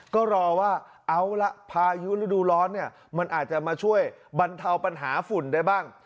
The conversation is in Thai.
ก็รอว่าเอาละพายุฤดูร้อนเนี่ยมันอาจจะมาช่วยบรรเทาปัญหาฝุ่นได้บ้าง